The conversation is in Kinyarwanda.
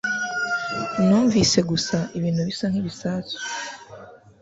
Numvise gusa ibintu bisa nkibisasu.